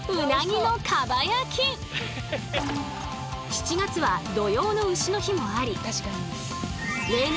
７月は土用の丑の日もあり例年